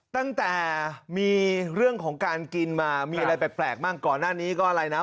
ตั้งแต่มีเรื่องของการกินมามีอะไรแปลกบ้างก่อนหน้านี้ก็อะไรนะ